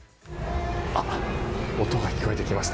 音が聞こえてきました。